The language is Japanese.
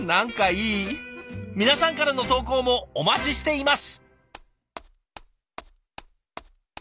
皆さんからの投稿もお待ちしています。